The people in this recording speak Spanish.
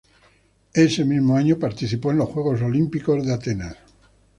Ese mismo año participó en los Juegos Olímpicos de Atenas.